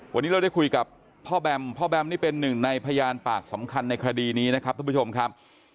วันนี้เราได้คุยกับพ่อแบมพ่อแบมนี่เป็นหนึ่งในพยานปากสำคัญในคดีนี้นะครับทุกผู้ชมครับ